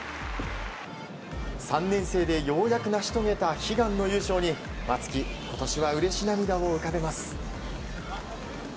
３年生でようやく成し遂げた悲願の優勝に松木、今年はうれし涙を浮かべます。